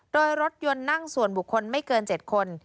โดยรถยนต์นั่งส่วนบุคคลไม่เกิน๗คน